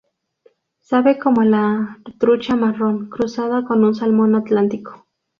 Sabe como la trucha marrón cruzada con un salmón atlántico.